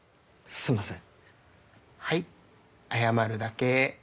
すんません。